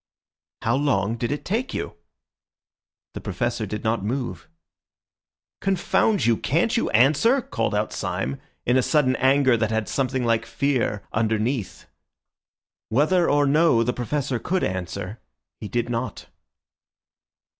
"How long did it take you?" The Professor did not move. "Confound you, can't you answer?" called out Syme, in a sudden anger that had something like fear underneath. Whether or no the Professor could answer, he did not.